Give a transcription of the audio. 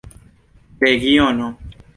regiono